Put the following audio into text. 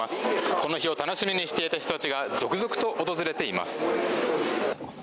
この日を楽しみにしていた人たちが続々と訪れています。